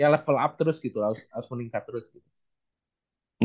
ya level up terus gitu harus meningkat terus gitu